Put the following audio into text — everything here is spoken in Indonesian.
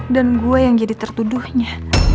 dan gua yang jadi tertuduhnya